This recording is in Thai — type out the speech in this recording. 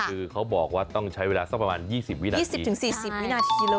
คือเขาบอกว่าต้องใช้เวลาสักประมาณ๒๐วินาที๒๐๔๐วินาทีโล